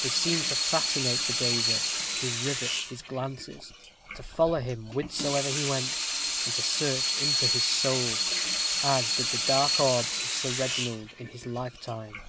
They seemed to fascinate the gazer to rivet his glances to follow him whithersoever he went and to search into his soul, as did the dark orbs of Sir Reginald in his lifetime.